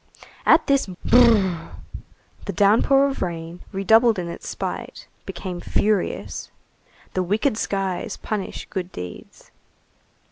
At this brrr! the downpour of rain, redoubled in its spite, became furious. The wicked skies punish good deeds.